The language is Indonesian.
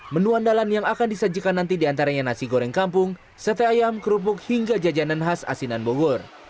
menu andalan yang akan disajikan nanti diantaranya nasi goreng kampung sate ayam kerupuk hingga jajanan khas asinan bogor